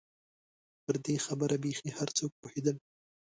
پر دې خبره بېخي هر څوک پوهېدل.